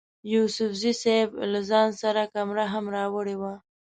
یوسفزي صیب له ځان سره کمره هم راوړې وه.